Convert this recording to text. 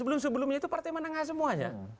dan sebelumnya itu partai menengah semuanya